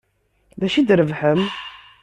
D acu i d-trebḥem?